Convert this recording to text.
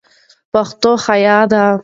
پښتو حیا ده